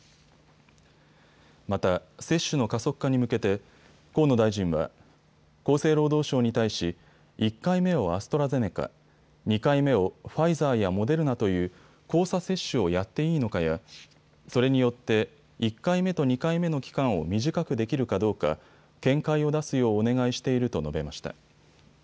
また、接種の加速化に向けて河野大臣は厚生労働省に対し１回目をアストラゼネカ、２回目をファイザーやモデルナという交差接種をやっていいのかやそれによって１回目と２回目の期間を短くできるかどうか見解を出すようお願いしていると述べました。